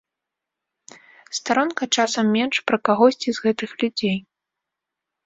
Старонка, часам менш, пра кагосьці з гэтых людзей.